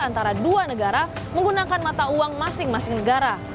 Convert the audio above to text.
antara dua negara menggunakan mata uang masing masing negara